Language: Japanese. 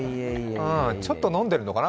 ちょっと飲んでるのかな？